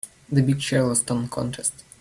The big Charleston contest.